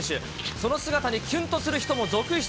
その姿にキュンとする人も続出。